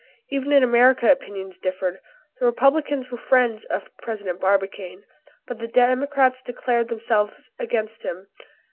Even in America opinions differed. The Republicans were friends of President Barbicane, but the Democrats declared themselves against him.